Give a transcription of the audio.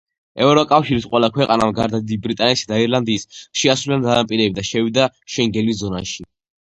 ევროკავშირის ყველა ქვეყანამ გარდა დიდი ბრიტანეთისა და ირლანდიის, შეასრულა დანაპირები და შევიდა შენგენის ზონაში.